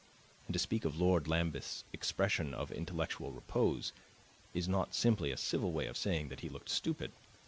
And to speak of Lord Lambeth's expression of intellectual repose is not simply a civil way of saying that he looked stupid.